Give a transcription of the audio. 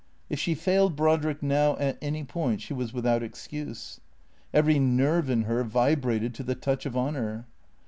If she failed Brodrick now at any point she was without excuse. Every nerve in her vibrated to the touch of honour.